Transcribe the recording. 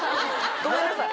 ごめんなさい